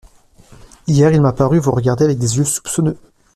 Hier, il m'a paru vous regarder avec des yeux soupçonneux.